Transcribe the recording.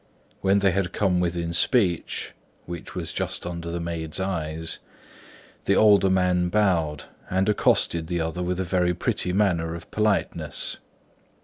When they had come within speech (which was just under the maid's eyes) the older man bowed and accosted the other with a very pretty manner of politeness.